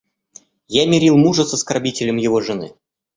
Я мирил мужа с оскорбителем его жены.